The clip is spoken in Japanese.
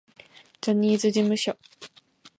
ジャニーズ事務所